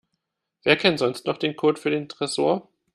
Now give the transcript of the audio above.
Wer kennt sonst noch den Code für den Tresor?